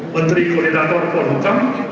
menteri koordinator puan hukum